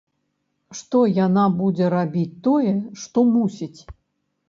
Што яна будзе рабіць тое, што мусіць.